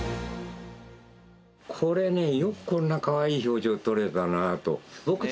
これねえよくこんなかわいい表情撮れたなあと。